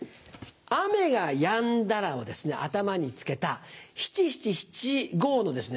「雨がやんだら」をですね頭につけた七・七・七・五のですね